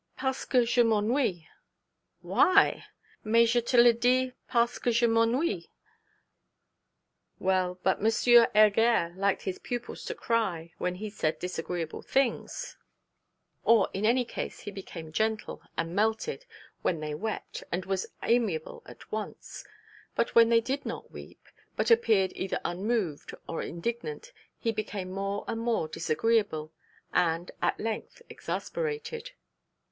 _ 'Parce que je m'ennuie.' 'Why?' 'Mais je te le dis parce que je m'ennuie.' Well, but M. Heger liked his pupils to cry, when he said disagreeable things: or, in any case, he became gentle, and melted, when they wept, and was amiable at once. But when one did not weep, but appeared either unmoved, or indignant, he became more and more disagreeable: and, at length, exasperated.